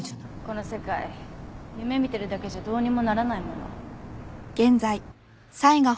この世界夢見てるだけじゃどうにもならないもの